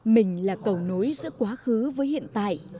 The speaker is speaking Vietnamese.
mình là cầu nối giữa quá khứ với hiện tại